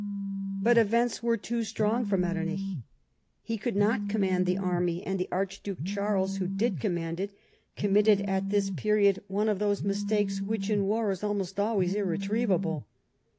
But events were too strong for Metternich. He could not command the army, and the Archduke Charles, who did command it, committed at this period one of those mistakes which, in war, is almost always irretrievable.